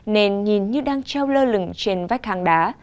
nên nhìn như đang trao lơ lửng trên vách hang đá